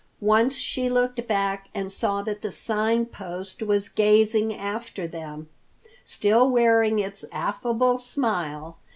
Once she looked back and saw that the Sign Post was gazing after them, still wearing its affable smile.